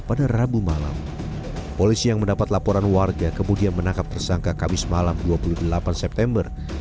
pada rabu malam polisi yang mendapat laporan warga kemudian menangkap tersangka kamis malam dua puluh delapan september